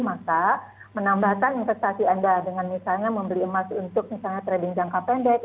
maka menambahkan investasi anda dengan misalnya membeli emas untuk misalnya trading jangka pendek